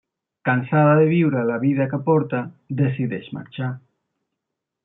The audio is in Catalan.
Cansada de viure la vida que porta, decideix marxar.